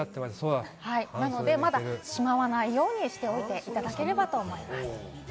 なので、まだしまわないようにしていただければと思います。